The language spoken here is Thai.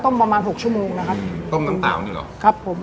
ต้มประมาณหกชั่วโมงนะครับอืมต้มน้ำตาวนี่เหรอครับผม